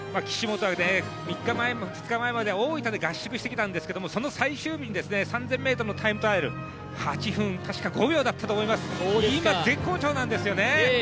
岸本も３日前まで大分で合宿してたんですけれどもその最終日に３０００ｍのタイムトライアル８分たしか５秒だったと思います、今絶好調なんですよね。